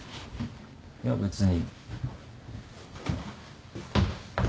いや別に。